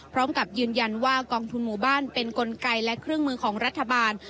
พร้อมกับยืนยันว่ากองทุนหมู่บ้านเป็นกลไกและเครื่องมือของรัฐบาล